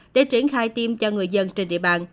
để triển khai tiêm cho người dân trên địa bàn